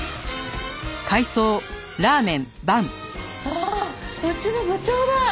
あうちの部長だ！